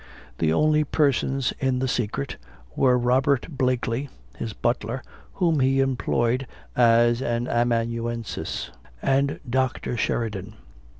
The only persons in the secret, were Robert Blakely, his butler, whom he employed as an amanuensis, and Dr. Sheridan.